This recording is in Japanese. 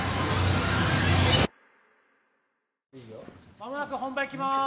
間もなく本番いきます。